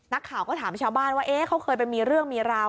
นักข่าวก็ถามชาวบ้านว่าเขาเคยไปมีเรื่องมีราว